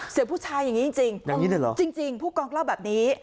เสียงผู้ชายอย่างนี้จริงจริงผู้กองเล่าแบบนี้